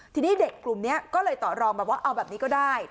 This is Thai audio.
ทีนี้เด็กกลุ่มนี้ก็เลยต่อรองมาว่าเอาแบบนี้ก็ได้